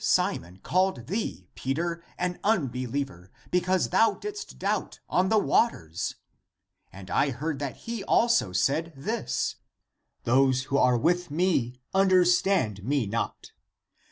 ^^ But this Simon called thee, Peter, an unbeliever, because thou didst doubt on the waters. ^^ And I heard that he also said this : Those who are with me, understood me not.